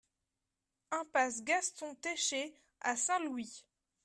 Impasse Gaston Técher à Saint-Louis